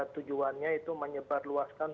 tujuannya itu menyebarluaskan